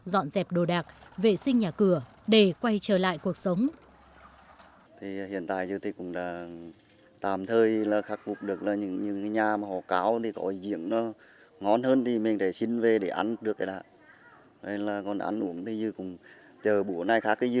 dọn dẹp đồ đạc vệ sinh nhà cửa để quay trở lại cuộc sống